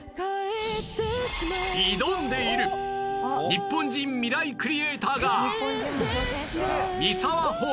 挑んでいる日本人ミライクリエイターが！